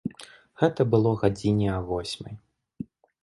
Гэта было гадзіне а восьмай.